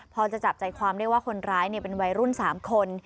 พอจะจับใจความได้ว่าคนร้ายเป็นวัยรุ่น๓คน